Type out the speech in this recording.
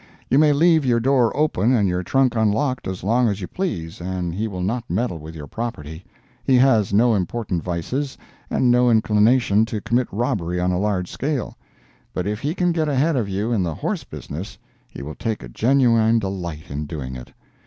You may leave your door open and your trunk unlocked as long as you please, and he will not meddle with your property; he has no important vices and no inclination to commit robbery on a large scale; but if he can get ahead of you in the horse business, he will take a genuine delight in doing it.